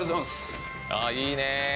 いいね。